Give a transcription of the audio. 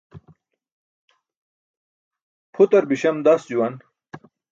Pʰutar biśam das juwan.